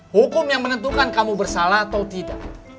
hukum yang menentukan kamu bersalah atau tidak